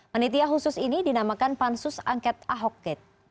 penelitian khusus ini dinamakan pansus angket ahok